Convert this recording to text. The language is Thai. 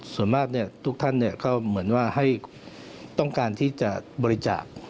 ส่วนมากทุกท่านก็เหมือนว่าให้ต้องการที่จะบริจาค